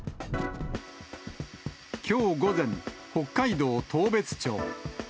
きょう午前、北海道当別町。